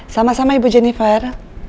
sama sama ibu jennifer